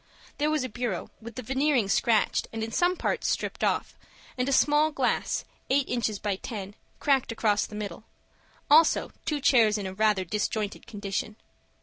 There was a bureau, with the veneering scratched and in some parts stripped off, and a small glass, eight inches by ten, cracked across the middle; also two chairs in rather a disjointed condition.